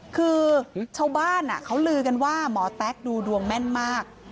คือชาวบ้านเขาลือกันว่าหมอแต๊กดูดวงแม่นมาก